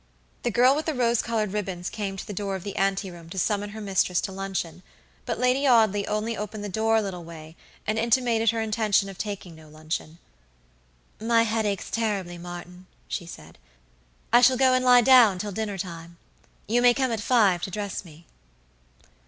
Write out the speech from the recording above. The girl with the rose colored ribbons came to the door of the anteroom to summon her mistress to luncheon, but Lady Audley only opened the door a little way, and intimated her intention of taking no luncheon. "My head aches terribly, Martin," she said; "I shall go and lie down till dinner time. You may come at five to dress me."